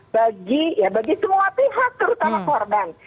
bagi ya bagi semua pihak terutama korban